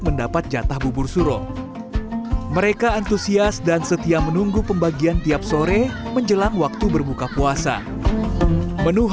mendapat jatah bubur suro mereka antusias dan setia menunggu pembagian tiap sore menjelang waktu